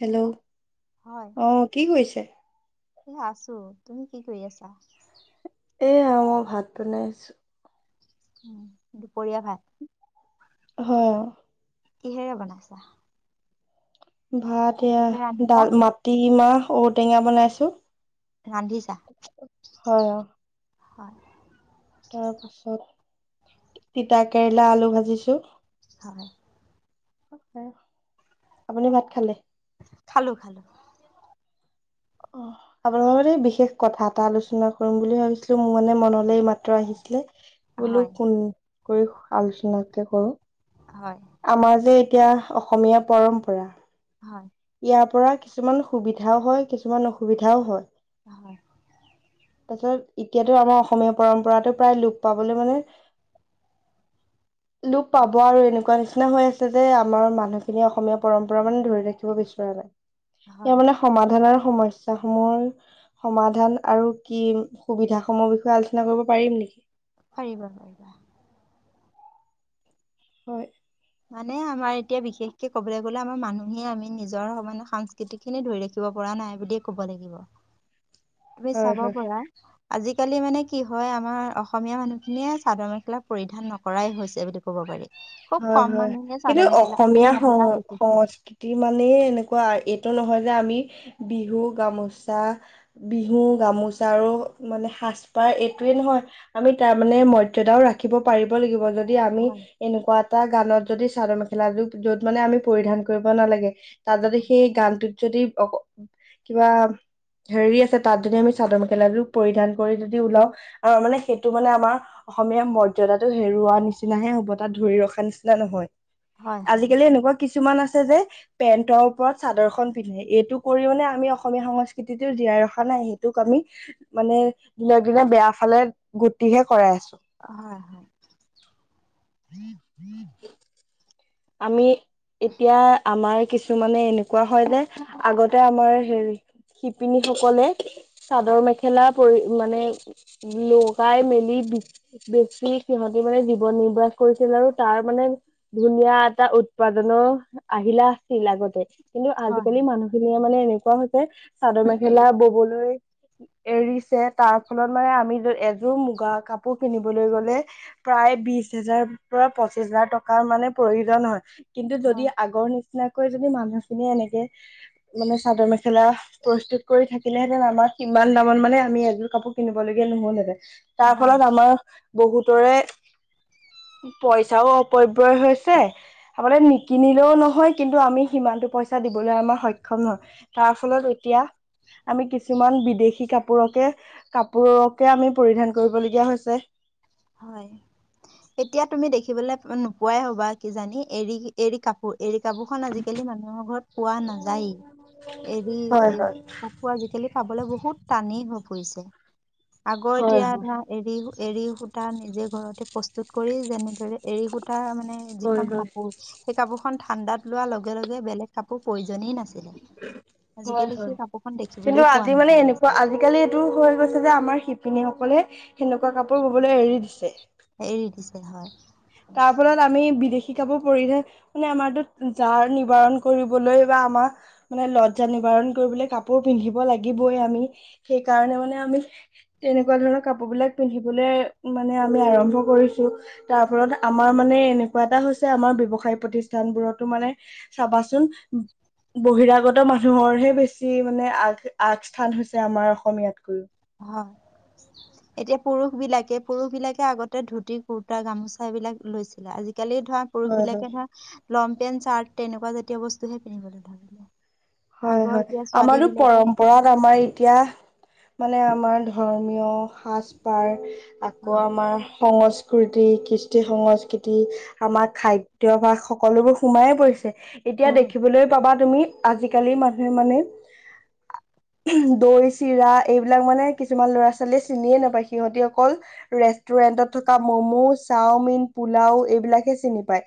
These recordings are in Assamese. হেল্ল' হয় আহ কি কৈছে? এ আছো, তুমি কি কৰি আছা? সয়া মই ভাত বনাইছোঁ। উ দুপৰীয়া ভাত। হ। কিহেৰে বনাইছা? ভাত এয়া কিহেৰে ৰান্ধিছা ডাল মাটিমাহ ঔটেঙা বনাইছো। ৰান্ধিছা হয় অ হয়। তাৰ পাছত তিতা কেৰেলা আলু ভাজিছো। হয়। আপুনি ভাত খালে? খালো খালো। অ',। আপোনালোক লগৰ এই বিশেষ কথা এটা আলোচনা কৰিম বুলি ভাবিছিলো মোৰ মানে মনলে এই মাত্ৰ আহিছিলে। বোলো হয় কোন কৰি আলোচনাকে কৰো। হয় আমাৰ যে এতিয়া অসমীয়া পৰম্পৰা হয় ইাৰ পৰা কিছুমান সুবিধাও হয় কিছুমান অসুবিধাও হয়। হয়। এতিয়াতো আমাৰ অসমীয়া পৰম্পৰাতটো প্ৰায় লোপ পাবলৈ মানে [inaudible] লোপ পাব হয় আৰু এনেকুৱা নিচিনা হৈ আছে যে আমাৰ মানুহখিনি অসমীয়া পৰম্পৰা মানে ধৰি ৰাখে থিব বিচৰা নাই, ইয়াৰ হয় মানে সমাধান সমস্যা সমূহৰ সমাধান আৰু কি সুবিধা সমূহৰ বিষয়ে আলোচনা কৰিব পাৰিম নেকি? পাৰিবা, পাৰিবা। হয়। মানে আমাৰ এতিয়া বিশেষকে ক'বলৈ গ'লে আমাৰ মানুহে আমি নিজৰ মানে সাংষ্কৃতিক খিনি ধৰি ৰাখিব পৰা নাই বুলিয়ে ক'ব লাগিব। [unintelligible] তুমি হয় চাব হয় প'ৰা। আজিকালি মানে কি হয়, আমাৰ অসমীয়া মানুহখিনিয়ে চাদৰ মেখেলা পৰিধান নকৰাই হৈছে বুলি ক'ব পাৰি। খুব হয়, কম হয় মানুহে কিন্তু চাদৰ মেখেলা মানে অসমীয়া মহিলা বিশেষকে সং-সংস্কৃতি মানে এনেকুৱা এইটো নহয়। আমি বিহু গামোচা, বিহু গামোচা আৰু মানে সাজপাৰ এইটোয়ে নহয় আমি তাৰ মানে মৰ্যদাও ৰাখিব পাৰিব লাগিব য যদি আমি হয়। এনেকুৱা এটা গানত যদি চাদৰ মেখেলা যত মানে আমি পৰিধান কৰিব নালাগে। তাত যদি সেই গানটোত যদি অ, কিবা হেৰি আছে, তাত যদি আমি চাদৰ মেখেলাটো পৰিধান কৰি যদি ওলাও আৰু মানে সেইটো মানে আমাৰ অসমীয়া মৰ্যদাটো হেৰুওৱা নিচিননাহে হ'ন তাত ধৰি ৰখা নহয়, হয় হয় আজিকালি এনেকুৱা কিছুমান আছে। যে পেন্টৰ ওপৰত চাদৰ খন পিন্ধে, এইটো কৰি মানে আমি অসমীয়া সংস্কৃতিতো জীয়াই ৰখা নাই। সেইটোক আমি মানে দিনক দিনে বেয়া ফালে গতিহে কৰাই আছো। হয়, হয়। আমি এতিয়া আমাৰ কিছু টো মানে এনেকুৱা হয় নে আগতে আমাৰ হেৰি শিপিনী সকলে চাদৰ মেখেলা পৰি মানে লগাই মেলি বেছি সিহঁতে মানে জীৱন নিৰ্বাহ কৰিছিল আৰু তাৰ মানে ধুনীয়া এটা উৎপাদনো আহিলা আছিল আগতে কিন্তু আজিকালি মানুহখিনিয়ে মানে এনেকুৱা হৈছে চাদৰ মেখেলা ববলৈ এৰিছে তাৰ ফলত মানে আমি এযোৰ মুগা কাপোৰ কিনিবলৈ গলে প্ৰায় প্ৰয় বিশ হেজাৰৰ পৰা পঁচিশ হাজাৰ টকাৰ মানে প্ৰয়োজন হয়। কিন্তু হয় যদি আগৰ নিচিনা নিচিনাকৈ যদি মানুহখিনিয়ে এনেকে মানে চাদৰ মেখেলা প্ৰস্তুত কৰি থাকিলেহেঁতেন আমাৰ কিমান দামত মানে আমি এযোৰ কাপোৰ কিনিব লগগীয়া নহলতে হয় তাৰ হয় ফলত আমাৰ বহুতৰে পইচাও অপব্যয় হৈছে। আগতে নিকিনিলেও নহয়। কিন্তু আমি সিমানটো পইচা দিবলৈ আমাৰ সক্ষম নহয়, তাৰ ফলত এতিয়া আমি কিছুমান বিদেশী কাপোৰকে, কাপোৰকে আমি পৰিধান কৰিবলগীয়া হৈছে। হয়। এতিয়া তুমি দেখিবলৈ নোপোৱাই হ'বা কিজানি এৰি, এৰি কাপোৰ। এৰি কাপোৰখন আজিকালি মানুহৰ ঘৰত পোৱা নাযায়। এৰি হয় এ, হয় পকু আজিকালি খাবলৈ বহুত টানি হৈ পৰিছে। আগৰ হয় এতিয়া হয় ধৰা এৰি, এৰি নিজে ঘৰতে প্ৰস্তুত কৰি যেনেদৰে এৰী সুতা মানে হয় যিখন হয়। কাপোৰ সেই কাপোৰ খন ঠাণ্ডাত লোৱাৰ লগে, লগে বেলেগ কাপোৰ প্ৰয়োই নাছিলে। হয়, আজিকালি হয় সেই কাপোৰখন কিন্তু দেখিবলৈ পোৱা আজি মানে নোযোৱা হৈছে এনেকুৱা আজিকালি এইটো হৈ, গৈছে যে আমাৰ শিপিনীসকল সকলে সেনেকুৱা কাপোৰ বোবলৈ এৰি দিছে। এৰি দিছে হয়। তাৰ ফলত আমি বিদেশী শিকাব পৰিলে মানে আমাৰত যাৰ নিবাৰণ কৰিবলৈ বা আমাৰ মানে লজ্জা নিব ণ কৰিবলৈ কাপোৰ পিন্ধিব লাগিবই আমি সেইকাৰণে মানে আমি তেনেকুৱা ধৰণৰ কাপোৰ বিলাক পিন্ধিবলৈ মানে আমি আৰম্ভ কৰিছো তাৰ ফলত আমাৰ মানে এনেকুৱা এটা হৈছে আমাৰ ব্য্ৱসায় প্ৰতিষ্ঠানবোৰতো মানে চাবাচোন বহিৰাগত মানুহৰ হে বেছি মানে আগ আগস্থান হৈছে আমাৰ অসমীয়াতকৈও। হয়। এতিয়া পুৰুষ বিলাকে পুৰুষ বিলাকে আগতে ধুতি কুুৰ্তা গামোচা এইবিলাক লৈছিলে আজিালি আজিকালি ধৰা পুৰুষ হয় হয়। বিলাকে ধৰ লং পেণ্ট চাৰ্ট তেনেকুৱা জাতীয় বস্তুহে পিন্ধিবলৈ ধৰিলে। হয়, আগৰ হয় এতিয়া ছোৱালী আমাৰো বিলাকে পৰম্পৰাত আমাৰ এতিয়া মানে আমাৰ ধৰ্মীয় সাজপাৰ আকৌ হয় আমাৰ সংস্ কৃতি কৃষ্টি সংস্কৃতি আমাৰ খাদ্যভাস সকলোবোৰ সোমাইে পৰিছে। এতিয়া হয় দেখিবলৈ পাবা তুমি আজিকালি মানুহে মানে দৈ চিৰা এইবিলাক মানে কিছুমান ল'ৰা ছোৱালীয়ে চিনিয়ে নাপায় সিহঁতি অকল ৰেষ্টুৰেট ণ্টত থকা মম' চাওমিন পোলাও এইবিলাকে চিনি পাই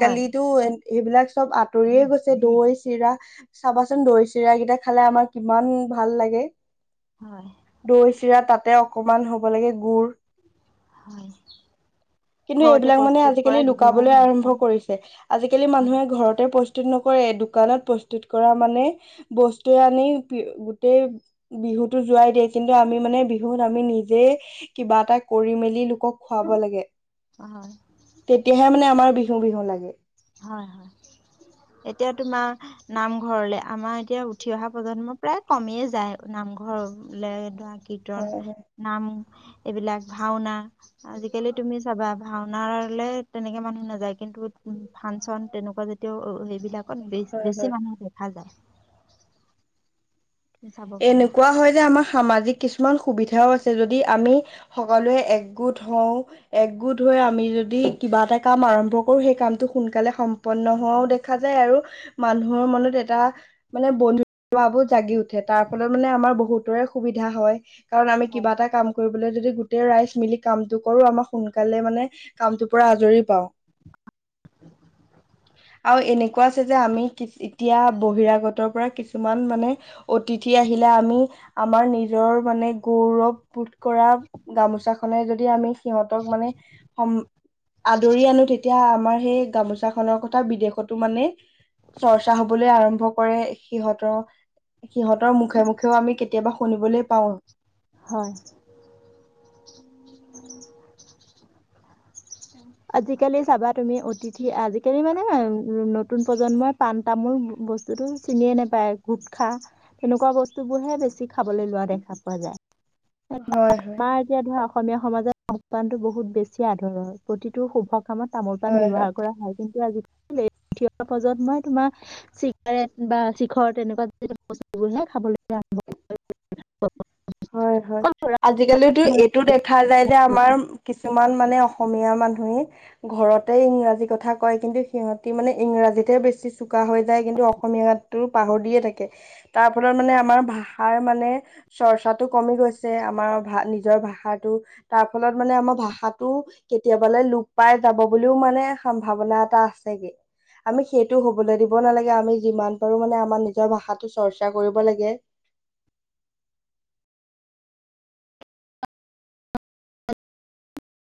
হয় সেইবিলাক চ'ব আঁতৰিয়ে গৈছে দৈ চিৰা চাবাচোন দৈ চিৰাকেইটা খালে আমাৰ কিমান ভাল লাগে। হয় দৈ চিৰা তাতে অকমান হ'ব লাগে গু়ৰ। হয়। কিন্তু ঘৰতে এইবিলাক মানে প্ৰস্তুত আজিকালি কৰা ঘিউ লুকাবলৈ আৰম্ভ মাখন কৰিছে আজিকালি হয় মানুহে ঘৰতে নকৰে দোকানত মানে বস্তুৱে আনি গোটেই বিহুতো যোৱাই দিয়ে কিন্তু আমি ম বিহুত আমি নিজে কিবা এটা কৰি মেলি ক খুৱাব লাগে তেতিয়াহে মানে আমাৰ বিহু বিহু লাগে। হয়, হয় এতিয়া তোমাৰ নামঘৰলে আমাৰ এতিয়া উঠি অহা প্ৰজন্ম প্ৰায় কমিয়েইে যায় নামঘৰলে কীৰ্তন হয় হয় নাম এইবিলাক ভাওনা আজিকালি তুমি চাবা ভাওনলে তেনেকে মানুহ নাযায় কিন্তু ফাংচন তেনেকুৱা জাতীয় সেইবিলাকত ব হয় হয় বেছি মানুহ দেখা যায়। তুমি চাব পাৰা এনেকুৱা হয় যে আমাৰ সাজিক কিছুমান সুবিধাও আছে যদি আমি সকলোৱে একগোট হওঁ একগোট হৈ আমি যদি কিবা এটা কাম আৰম্ভ কৰো সেই কামটো সোনকালে সম্পন্ন হোৱাও দেখা যায় আৰু মানুহৰ মনত এটা মানে বন্ধুৰ্বাৱো জাগি উঠ উঠে তাৰ ফলত মানে আমাৰ বহুতৰে সুবিধা হয়। কাৰণ আমি কিবা হয় এটা কাম কৰিবলৈ যদি গোটেই ৰাইজ মিলি কামটো কৰো আমাৰ সোনকালে মানে কামটো পৰা আজৰি পাওঁ, আৰু এনেকে কোৱাছে যে আমি কি এতিয়া বহিৰাগতৰ পৰা কিছুমান মানে অতিথি আহিলে আমি আমাৰ নিজৰ মানে গৌৰৱবোধ কৰা গামোচাখন য আমি সিহঁতক মানে আদৰি আনো তেতিয়া আমাৰ সেই গামোচা খনৰ কথা বিদেশতো মানে চৰ্চা হবলৈ আৰম্ভ কৰে, সিহঁতৰ সিহঁতৰ মুখে মুখেও আমি কেতিয়াবা শুনিবলৈ পাও। হয়। আজিকালি চাবা তুমি অতিথি আজিকালি মানে নতুন প্ৰজন্মই পাণ তামোল বস্তুতটো চিনিয়ে নোপায় গুটখা তেনেকুৱা বস্তু বোৰহে বেছি খাবলৈ লোৱা দেখা পোৱা যায়। হয় হয়। আমাৰ এতিয়া ধৰা অসমীয়া সমাজত সংস্থানতটো বহুত বেছি আধৰুৱা প্ৰতিটো শুভ কামত তামোল পা হয় হয়। ব্যৱহাৰ কৰা হয় কিন্তু আজিালি থিয়ৰ পজত মই তোমাৰ চিগাৰেট বা চিখৰ তেনেকুৱা য বস্তুবোৰহে খাবলৈ আৰম্ভ কৰে। [inaudible] হয়, হয় আজিকালি আৰম্ভ এইটো দেখা যায় যে আমাৰ কিছুমান মানে অসমীয়া মানুহেই ঘৰতে ইংৰাজী কথা কয় কিন্তু সিহঁতি মানে ইংৰাজীতে বেছি চোকা হৈ যায় কিন্তু অসমীয়াটো পাহৰি দিয়ে থাকে তাৰ ফলত মানে আমাৰ ভাষাৰ মানে চৰ্চাত কমি গৈছে আমাৰ নিজৰ ভাষাটো তাৰ ফলত মানে আমাৰ ভাষাটো কেতিয়ে লোভ পাই যাব বুলিও মানে সম্ভাৱনা এটা আছেগে। আমি সেইটো হবলৈ দিব নালাগে, আমি যিমান পাৰো মানে আমাৰ নিজৰ ভাষাটো চৰ্চা কৰিব লাগে। [inaudible]